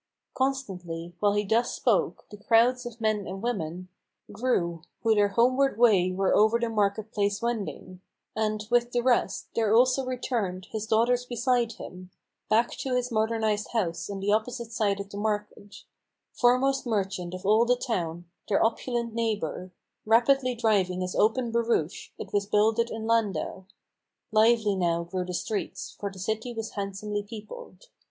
Constantly, while he thus spoke, the crowds of men and of women Grew, who their homeward way were over the market place wending; And, with the rest, there also returned, his daughters beside him, Back to his modernized house on the opposite side of the market, Foremost merchant of all the town, their opulent neighbor, Rapidly driving his open barouche, it was builded in Landau. Lively now grew the streets, for the city was handsomely peopled.